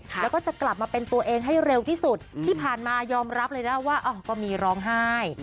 แล้วก็จะกลับมาเป็นตัวเองให้เร็วที่สุดที่ผ่านมายอมรับเลยนะว่าก็มีร้องไห้